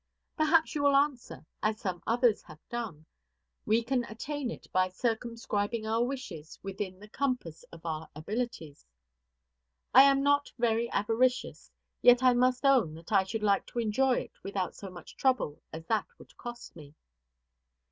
Perhaps you will answer, as some others have done, we can attain it by circumscribing our wishes within the compass of our abilities. I am not very avaricious; yet I must own that I should like to enjoy it without so much trouble as that would cost me.